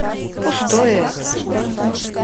Пустое это!